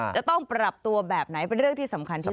จะต้องปรับตัวแบบไหนเป็นเรื่องที่สำคัญที่สุด